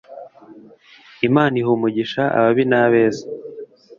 Imana iha umugisha ababi n’abeza